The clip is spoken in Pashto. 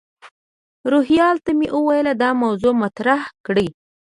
روهیال ته مې وویل دا موضوع مطرح کړي.